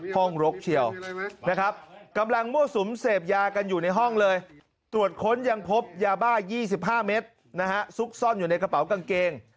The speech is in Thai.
กรกเฉียวนะครับกำลังมั่วสุมเสพยากันอยู่ในห้องเลยตรวจค้นยังพบยาบ้า๒๕เมตรนะฮะซุกซ่อนอยู่ในกระเป๋ากางเกง